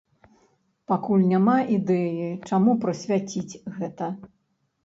Пакуль няма ідэі, чаму прысвяціць гэта.